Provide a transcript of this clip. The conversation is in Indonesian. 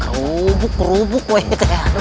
kerubuk kerubuk itu ya